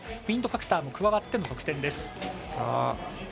ウインドファクターも加わっての得点です。